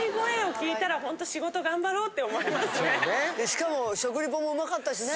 しかも食リポもうまかったしね。